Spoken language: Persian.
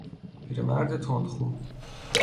پیرمرد تندخو